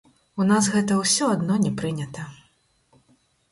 У нас гэта ўсё адно не прынята.